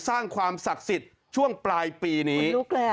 สร้างความศักดิ์สิทธิ์ช่วงปลายปีนี้